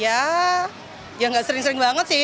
ya ya nggak sering sering banget sih